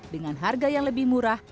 dengan harga yang lebih murah